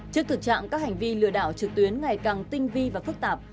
trước thực trạng các hành vi lừa đảo trực tuyến ngày càng tinh vi và phức tạp